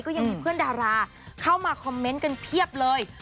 ก็ยังมีเพื่อนดาราเข้ามาคอมเมนต์กันเพียบเลย